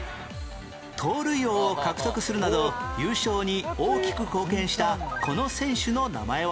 盗塁王を獲得するなど優勝に大きく貢献したこの選手の名前は？